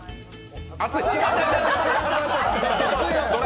熱い？